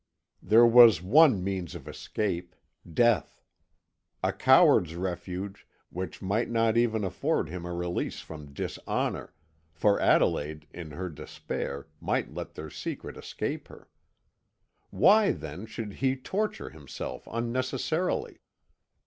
There was one means of escape death! A coward's refuge, which might not even afford him a release from dishonour, for Adelaide in her despair might let their secret escape her. Why, then, should he torture himself unnecessarily?